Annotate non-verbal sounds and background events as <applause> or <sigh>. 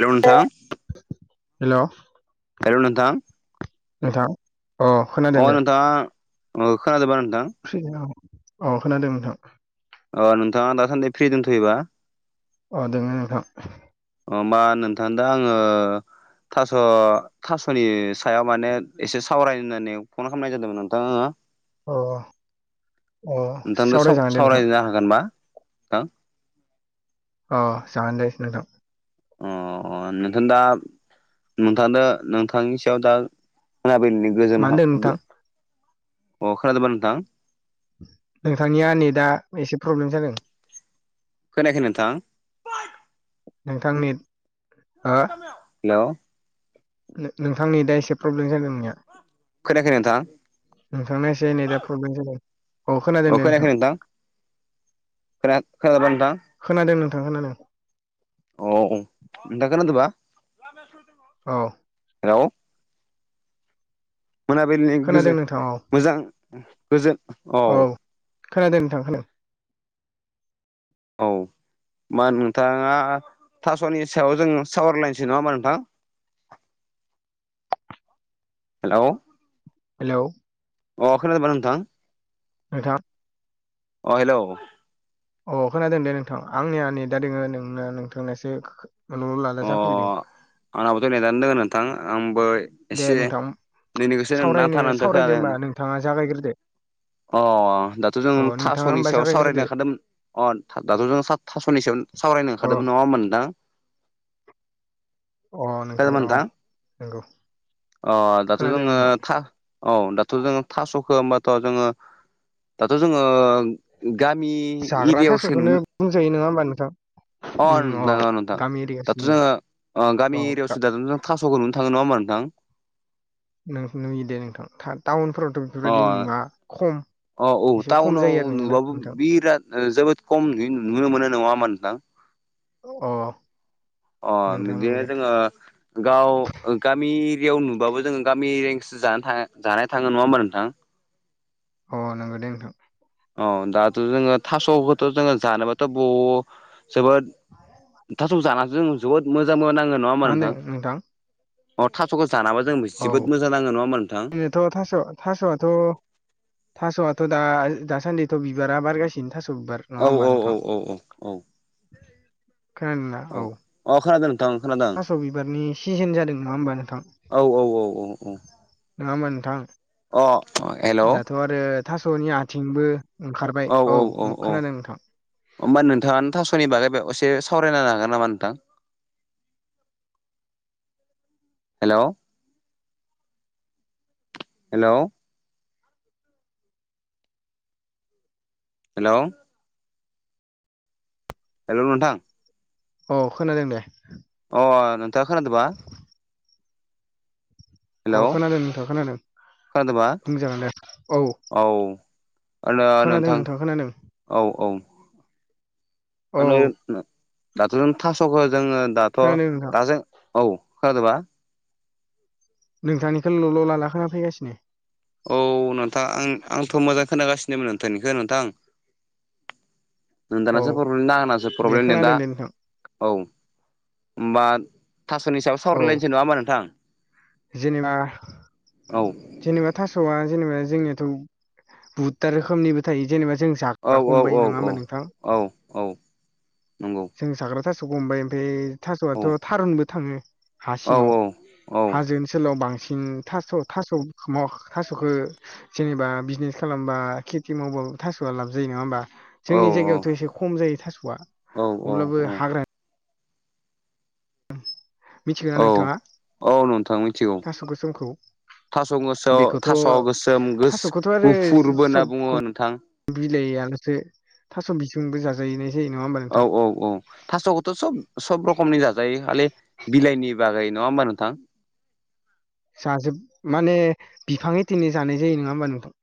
हेल' नथां hello hello नोथां। नोंथां अ खोनादों अ दे नोंथां अ खानादों नोंथां। औ खोनादों नोंथां। अ नोंथाङा दासान्दि फ्रि दंथ'योबा अ दोङो नोंथां। मा नोंथां दा आङो थास' थास'नि सायाव माने एसे सावराय होननानै फन खालामनाय जादोंमोन नोंथां। अ अ नोंथांनो सावरायजागोन दे नोंथां सावरायनो हागोनबा? नोंथां अ जागोनदे नोंथां। अ नोंथां दा नोंथां नोंथांनि सायाव दा खोनाब मा गोजोन अ होनदों नोंथां खोनादोंोबा नोंथां? नोंथांनि आनिै दा एसे प्रब्लेम जादों। खोनायाखै नोंथां? नोंथांनि हेल' नोंथांनि दा एसे प्रब्लेम जादों नोंनिया। खोनायाखै नोंथां? नोंथांना एसे नेदा प्रब्लेम जादों औ खोनादों अ दे खोनायाखै नोंथां, खोना खोनादोंबा नोंथां खोनादों नोंथां खोनादों, अ औ नोंथां खोनादों बा औ। हेलौ। मोनाबिलिनि खोनादों गोजोन नोंथां औ मोजां गोजोन औ। खोनादों नोंथां खादो। औ मा नोंथांङा थास'नि सायाव जों सावराय लायनोसै नङा होमबा नोंथां। हेलौ। हेलौ। अ खोनादोंबा नोंथां। नोंथां। अ हेलौ। अ खोनादों दे नोंथां आंनिया नेदा दोङो नों नोंथांनासो ल'ल लाला अ जाफैदों। आंनाबोथ' नेदानो दङ नोंथां आंबो दे एसे। नोंथां नोंनिखौसो सावरायनो नांथा नांथा सावरायदो होमबा खोनादों <unintelligible> नोंथाङा जागायग्रोदो अ दाथ' जों अ नोंथाङा थास'नि होमबा सायाव सावरायनो जागायग्रोदो ओंखारदोंमोन अ दाथ' जों। थास'नि सायावनो सावरायनो अ ओंखारदोंमोन नङा होनबा नोंथां। अ खोनादोंना औ नोंथां नंगौ अ दाथ' खोनादों जोङो नोंथां था औ दाथ' जोङो थास'खौ होमबाथ' जोङो दाथ' जोङो। गामि जाग्रा एरियावसो थास'खौनो नुनो बुंजायो नङा होमबा नोंथां अ नंगौ नोंथां गामि एरियासो दाथ' नुयो जोंङो। अ गामि औ एरियावसो दा नों थास'खौ नुनो थाङो नङा होनबा नोंथां। नों नुयो दे नोंथां टाउनफोरावथ' बेफोरबायदि नुवा खम। औ औ एसे खम टाउनाव जायो आरो नोङो ना नुबाबो नोंथां बिराद जोबोद खमहै नुनो मोनो नङा होमबा नोंथां। अ अ नोंथां नंगौ बिदिनो दे जोंङो। गाव गामि एरियाव नुबाबो जोङो गामि एरेनसो जानो थाङो जानो थाङो नङा होमबा नोंथां। अ नंगौ दे नोंथां। औ दाथ' जोङो थास'खौथ' जोङो जानोबाथ' ब जोबोद थास' जानासो जों जोबोद मोजां नाङो नङा होमबा मा होनदों नोंथां। अ थास'खौ जानाबा जों जोबोद मोजां नाङो नङा होमा नोंथां। थ' थास' थास' आथ'। थास'आथ' दा दासान्दिथ' बिबारा बारगासिनो थास' बिबार। नङा औ होमबा औ नोंथां औ औ औ औ औ अ खोनादों। नोंथां खोनादों थास' बिबारनि सिजोन जादों नङा होमबा नोंथां। औ औ औ नङा होमबा नोंथां। अ हेलौ। अ आरो थास'नि आइथिंबो ओंखारबाय औ खोनादों नोंथां। होमबा नोंथाङानो थास'नि बागै एसे सावरायनो हागोन नामा? नोंथां। हेलौ। हेलौ। हेलौ। हेलौ नोंथां। औ खोनादों दे। अ नोंथाङा खोनादोंबा। औ हेलौ खोनादों नोंथां खोनादों खोनादोंबा बुंजागोन दे औ। औ आलो खोनादों नोंथां खोनादों औ औ। औ आंङो दाथ' जों थास'खौ जोङो दाथ' खोनादों नोंथां दा जों। औ खोनादोबा। नोंथांनिखोन ल'ल' लाला खोनाफैगासिनो। औ नोंथां आं-आंथ' मोजां खोनागासिनोमोन नोंथांनिखौ नोंथां। औ नोंथांनासो प्रब्लेम ना आंनासो दे प्रब्लेम नेदा। खोनादों दे नोंथां औ होमबा थास'नि सायाव औ सावरायलायनोसै। नङा होमबा नोंथां? जेनेबा औ जेनेबा थासआ जेनेबा जोंनियाथ बुहुदथा रोखोमनिबो थायो जेनेबा जों जा- औ <unintelligible> औ औ नङा औ होमबा नोंथां? औ औ नंगौ। जों साग्रा थास'खौ हमबाय ओमफ्राय औ थास'आथ थारुनबो थाङो हा औ सिङाव। औ हाजो ओ सोलाव बांसिन थास' थास' खो थास'खौ जेनेबा बिजनेस खालामबा खेथि मावबाबो थास'आ लाब जायो। नङा होमबा? औ जोंनि जायगायावथ एसे खम जायो थास'आ अब्लाबो औ हाग्रा मिथिगोना औ नोंथाङा? औ नोंथां मिथिगौ थास' गोसोमखौ। थास' गोसोआव बेखौथ थास' गोसोम गोस थास'खौथ आरो गुफुरबो होनना बुङो सबखौ- नोंथां बिलाइआल'सो थास' बि- जोंबो जाजायैनाय जायो नङा होनबा? औ औ औ थास'खौथ सब सब रोखमनि जाजायो खालि बिलाइनि बागै। नङा होमबा नोंथां? जाजोब माने बिफांहितिनो जानाय जायो। नङा होमबा नोंथां?